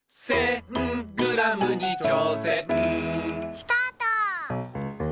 ・スタート！